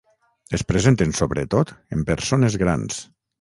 Es presenten sobretot en persones grans.